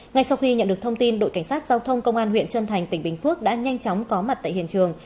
ngay sau khi nhận được thông tin đội cảnh sát giao thông công an huyện trân thành tỉnh bình phước đã nhanh chóng có mặt tại hiện trường